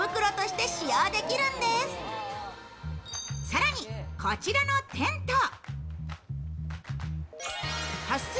更に、こちらのテント。